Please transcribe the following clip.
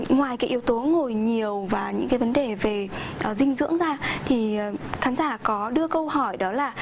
ngoài cái yếu tố ngồi nhiều và những cái vấn đề về dinh dưỡng ra thì khán giả có đưa câu hỏi đó là